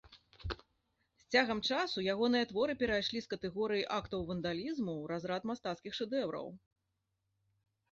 З цягам часу ягоныя творы перайшлі з катэгорыі актаў вандалізму ў разрад мастацкіх шэдэўраў.